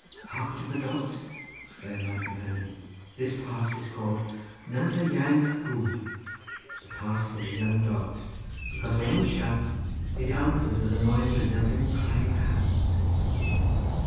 "Hark to the dogs!" exclaimed my companion. "This pass is called Nant yr ieuanc gwn, the pass of the young dogs, because when one shouts it answers with a noise resembling the crying of hounds."